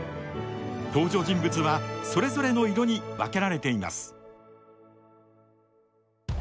登場人物はそれぞれの色に分けられています。